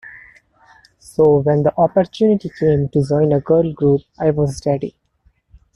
So when the opportunity came to join a girl group I was ready!